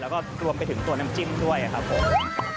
แล้วก็รวมไปถึงตัวน้ำจิ้มด้วยครับผม